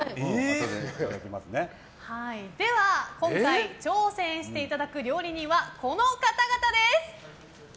では、今回挑戦していただく料理人はこの方々です。